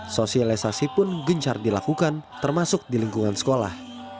sosialisasi pun gencar dilakukan termasuk di lingkungan sekolah